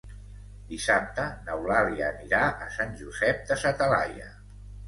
Dissabte n'Eulàlia anirà a Sant Josep de sa Talaia.